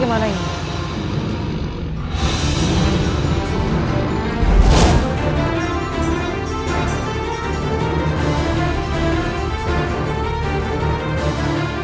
aku tidak bisa menolak